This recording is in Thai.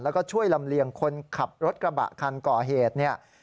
แล้วก็ช่วยลำเลียงคนขับรถกระบะคันก่อเหตุเนี่ย